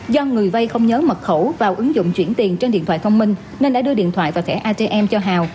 do người vay không nhớ mật khẩu vào ứng dụng chuyển tiền trên điện thoại thông minh nên đã đưa điện thoại và thẻ atm cho hào